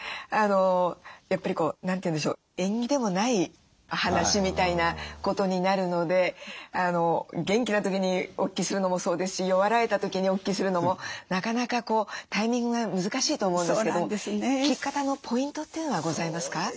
やっぱりこう何て言うんでしょう縁起でもない話みたいなことになるので元気な時にお聞きするのもそうですし弱られた時にお聞きするのもなかなかタイミングが難しいと思うんですけど聞き方のポイントというのはございますか？